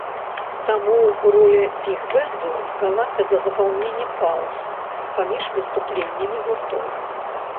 Таму роля біг-бэнду звялася да запаўнення паўз паміж выступленнямі гуртоў.